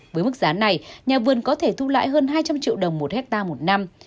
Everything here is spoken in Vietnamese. với mức giá này nhà vườn có thể thu lại hơn hai trăm linh triệu đồng một hectare một năm